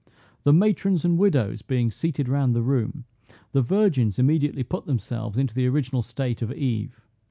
The matrons and widows being seated round the room, the virgins immediately put themselves into the original state of Eve.